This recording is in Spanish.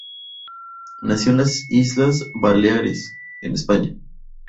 Nació en las Islas Baleares, en España.